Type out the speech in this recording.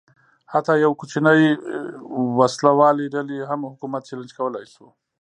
حتی یوې کوچنۍ وسله والې ډلې هم حکومت چلنج کولای شو.